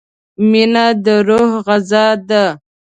مینه د روح غذا ده.